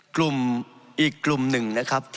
กลุ่มอีกกลุ่มหนึ่งนะครับ